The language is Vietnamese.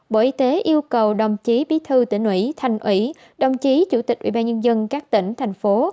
bộ y tế yêu cầu đồng chí bí thư tỉnh ủy thành ủy đồng chí chủ tịch ubnd các tỉnh thành phố